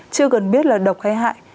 chưa cần biết là độc hay hại